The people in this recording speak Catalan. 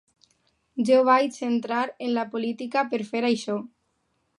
Jo vaig entrar en la política per fer això.